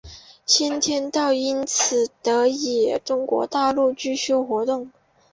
先天道由此得以在中国大陆继续活动。